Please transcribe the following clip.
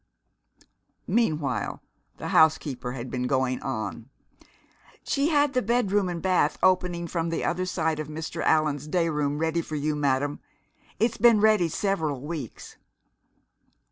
Meanwhile the housekeeper had been going on. ... "She had the bedroom and bath opening from the other side of Mr. Allan's day room ready for you, madam. It's been ready several weeks."